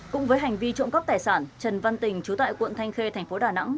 cùng với hành vi trộm cắp tài sản trần văn tình chú tại quận thanh khê tp đà nẵng